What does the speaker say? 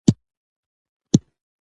کندهار انار د نړۍ په سطحه ښه انار لري